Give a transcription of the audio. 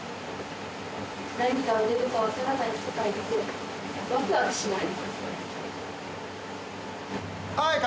何が売れるか分からない世界ってワクワクしない？